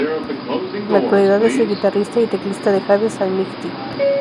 En la actualidad es el guitarrista y teclista de Hades Almighty.